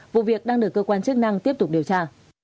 vụ việc đang được cơ quan chức năng tiếp tục điều tra